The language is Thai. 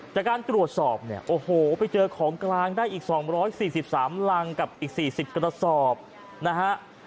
จากการตรวจสอบเนี่ยโอ้โหไปเจอของกลางได้อีก๒๔๓รังกับอีก๔๐กระสอบนะฮะ